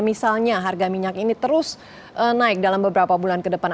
misalnya harga minyak ini terus naik dalam beberapa bulan ke depan